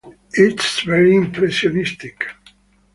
It's very impressionistic.